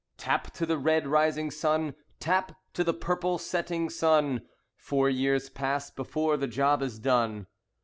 Tap to the red rising sun, Tap to the purple setting sun. Four years pass before the job is done.